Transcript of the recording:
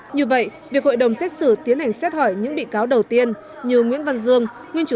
như vậy việc hội đồng xét xử tiến hành xét hỏi những bị cáo đầu tiên như nguyễn văn dương